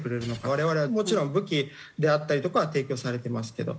我々はもちろん武器であったりとかは提供されてますけど。